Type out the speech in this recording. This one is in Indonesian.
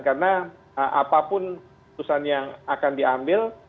karena apapun keputusan yang akan diambil